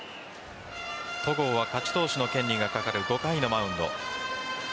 戸郷は勝ち投手の権利がかかる５回のマウンド。